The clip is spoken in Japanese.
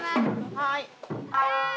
はい。